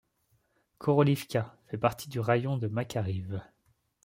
Korolivka fait partie du raïon de Makariv.